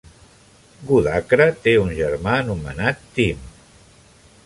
Goodacre té un germà anomenat Tim.